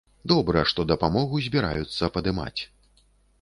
Добра што дапамогу збіраюцца падымаць.